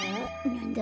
なんだ？